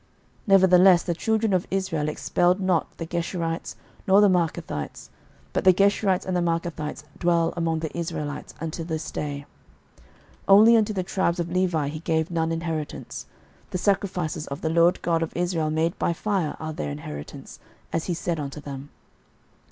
06:013:013 Nevertheless the children of Israel expelled not the Geshurites, nor the Maachathites: but the Geshurites and the Maachathites dwell among the Israelites until this day. 06:013:014 Only unto the tribes of Levi he gave none inheritance; the sacrifices of the LORD God of Israel made by fire are their inheritance, as he said unto them.